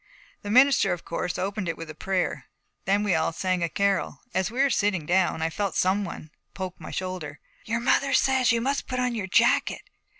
The minister, of course, opened it with prayer. Then we all sang a carol. As we were sitting down I felt some one poke my shoulder. 'Your mother says you must put on your jacket.